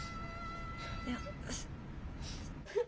いや。